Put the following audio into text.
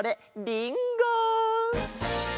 りんご！